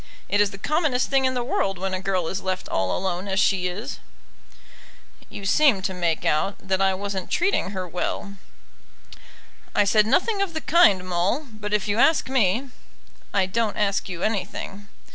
It is the commonest thing in the world when a girl is left all alone as she is." "You seemed to make out that I wasn't treating her well." "I said nothing of the kind, Maule; but if you ask me " "I don't ask you anything."